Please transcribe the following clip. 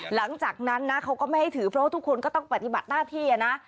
หลังจากนั้นนะเขาก็ไม่ให้ถือเพราะว่าทุกคนก็ต้องปฏิบัติหน้าที่นะ